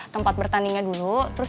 tempat bertandingnya dulu terus